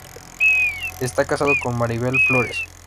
Está casado con Maribel Flórez.